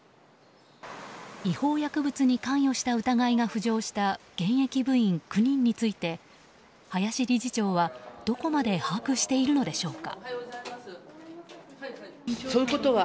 違法薬物に関与した疑いが浮上した現役部員９人について林理事長はどこまで把握しているのでしょうか。